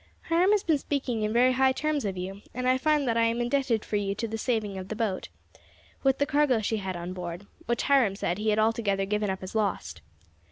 "Hiram has been speaking in very high terms of you, and I find that I am indebted to you for the saving of the boat, with what cargo she had on board, which Hiram said he had altogether given up as lost.